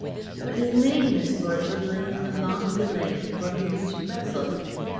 But his main misfortune lay in the long delay before he reached Brussels.